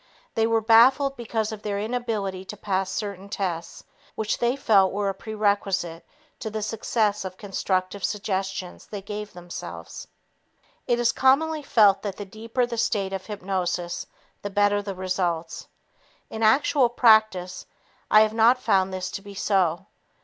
They were baffled because of their inability to pass certain tests which they felt were a prerequisite to the success of constructive suggestions they gave themselves. It is commonly felt that the deeper the state of hypnosis, the better the results. In actual practice, I have not found this to be so.